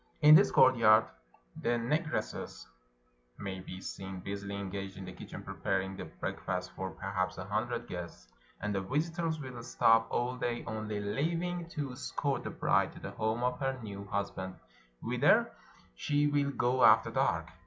In this courtyard the Negresses may be seen busily engaged in the kitchen preparing the breakfast for perhaps a hundred guests; and the visitors will stop aU day, only leaving to escort the bride to the home of her new husband, whither she will go after dark.